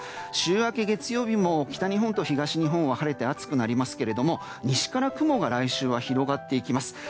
週明け月曜日も北日本と東日本は晴れて暑くなりますが西から雲が来週は広がっていきます。